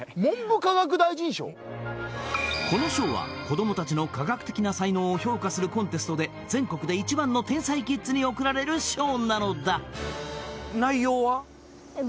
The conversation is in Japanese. この賞は子供達の科学的な才能を評価するコンテストで全国で一番の天才キッズに贈られる賞なのだ内容は？